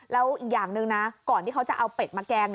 แล้วอีกอย่างหนึ่งนะก่อนที่เขาจะเอาเป็ดมาแกง